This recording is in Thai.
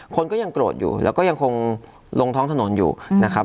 คนก็ยังโกรธอยู่แล้วก็ยังคงลงท้องถนนอยู่นะครับ